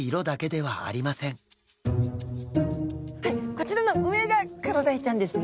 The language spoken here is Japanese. こちらの上がクロダイちゃんですね。